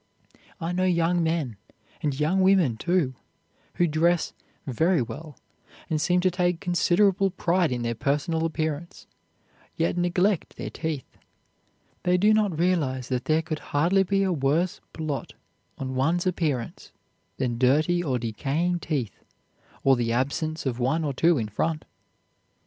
I know young men, and young women, too, who dress very well and seem to take considerable pride in their personal appearance, yet neglect their teeth. They do not realize that there could hardly be a worse blot on one's appearance than dirty or decaying teeth, or the absence of one or two in front.